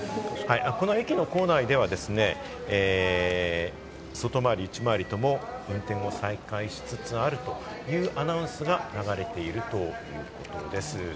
駅の構内では外回り・内回りとも運転を再開しつつあるというアナウンスが流れているということです。